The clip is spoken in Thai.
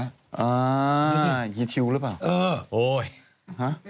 อ่าฮีเอชิลหรือเปล่าเออโอ้ยฮือ